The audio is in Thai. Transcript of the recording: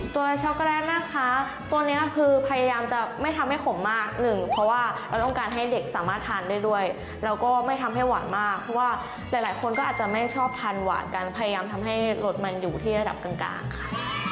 ช็อกโกแลตนะคะตัวนี้คือพยายามจะไม่ทำให้ขมมากหนึ่งเพราะว่าเราต้องการให้เด็กสามารถทานได้ด้วยแล้วก็ไม่ทำให้หวานมากเพราะว่าหลายคนก็อาจจะไม่ชอบทานหวานกันพยายามทำให้รสมันอยู่ที่ระดับกลางค่ะ